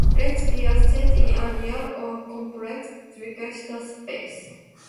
Let be a set in a real or complex vector space.